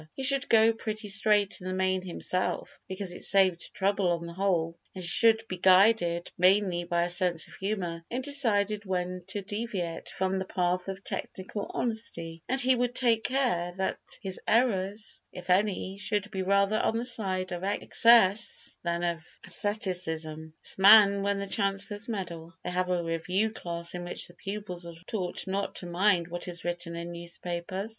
He should go pretty straight in the main himself because it saved trouble on the whole, and he should be guided mainly by a sense of humour in deciding when to deviate from the path of technical honesty, and he would take care that his errors, if any, should be rather on the side of excess than of asceticism This man won the Chancellor's medal. They have a review class in which the pupils are taught not to mind what is written in newspapers.